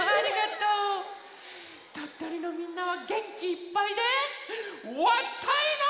とっとりのみんなはげんきいっぱいでわったいな！